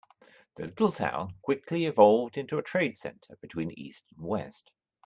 The little town quickly evolved into a trade center between east and west.